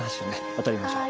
渡りましょう。